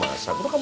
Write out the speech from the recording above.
apa teh kamu